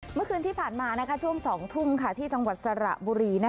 เมื่อคืนที่ผ่านมาช่วง๒ทุ่มที่จังหวัดสระบุรี